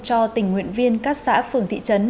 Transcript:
cho tình nguyện viên các xã phường thị trấn